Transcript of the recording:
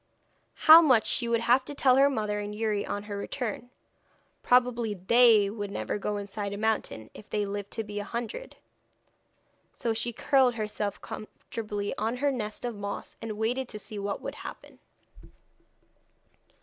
'How much she would have to tell her mother and Youri on her return. Probably they would never go inside a mountain, if they lived to be a hundred.' So she curled herself comfortably on her nest of moss, and waited to see what would happen.